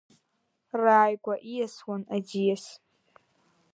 Рааигәа ииасуан аӡиас.